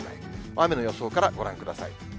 雨の予想からご覧ください。